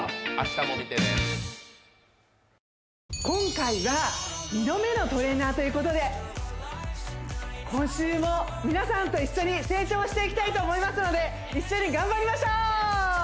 今回は２度目のトレーナーということで今週も皆さんと一緒に成長していきたいと思いますので一緒に頑張りましょう！